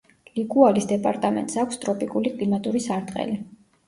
ლიკუალის დეპარტამენტს აქვს ტროპიკული კლიმატური სარტყელი.